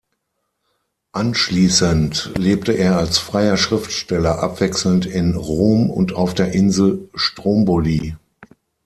Anschließend lebte er als freier Schriftsteller abwechselnd in Rom und auf der Insel Stromboli.